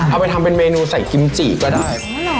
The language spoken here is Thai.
เอาไปทำเป็นเมนูใส่กิมจี่ก็ได้